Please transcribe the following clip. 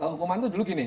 hukuman itu dulu gini